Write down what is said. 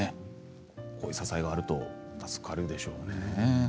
こういう支えがあると助かるでしょうね。